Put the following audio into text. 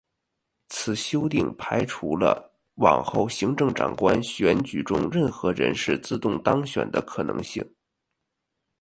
此修订排除了往后行政长官选举中任何人士自动当选的可能性。